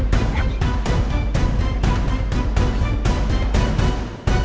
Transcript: สัญญาขายฝ่าของชาวบ้าน